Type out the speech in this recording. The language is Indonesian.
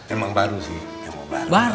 emang baru sih